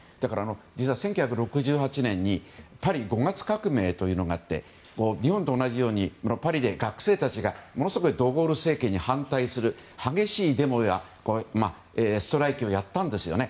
１９６８年にパリ５月革命というのがあって日本と同じようにパリで学生たちがド・ゴール政権に反対する激しいデモやストライキをやったんですよね。